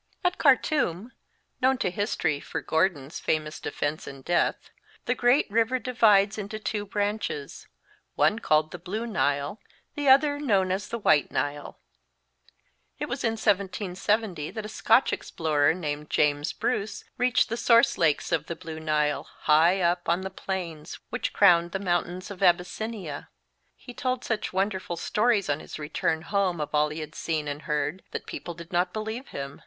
At Khartum known to Llotory for Gordon's famous defence and death the great river divides into two branches, one called the Blue Nile, the other known as the White Nile. It was in 1770 that a Scotch explorer named James Bruce reached the source lakes of the Blue Nile, high up on the plains which crowned tlie mountains of Abyssinia. He told such wonderful stories on his return home of all he had seen and heard that people did not believe him.